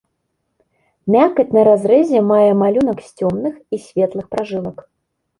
Мякаць на разрэзе мае малюнак з цёмных і светлых пражылак.